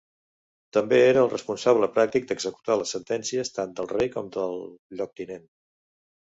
També era el responsable pràctic d'executar les sentències tant del rei com del lloctinent.